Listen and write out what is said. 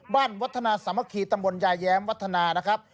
บ้านวัฒนาสัมพกีตมนต์ยายแยมวัฒนานะครับ